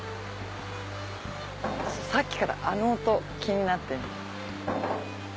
さっきからあの音気になってる。